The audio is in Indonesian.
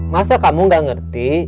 masa kamu gak ngerti